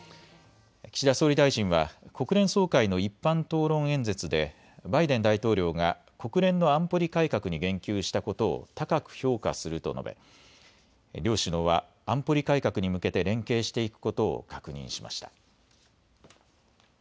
岸田総理大臣は国連総会の一般討論演説でバイデン大統領が国連の安保理改革に言及したことを高く評価すると述べ両首脳は安保理改革に向けて連携していくことを確認しました。